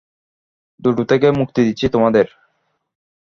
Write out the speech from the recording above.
দুটো থেকেই মুক্তি দিচ্ছি তোমাদের।